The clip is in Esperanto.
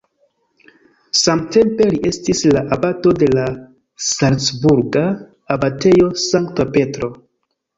Samtempe li estis la abato de la salcburga abatejo Sankta Petro.